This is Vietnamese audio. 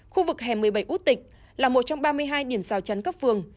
khu vực hẻm một mươi bảy út tịch là một trong ba mươi hai điểm rào chắn cấp phường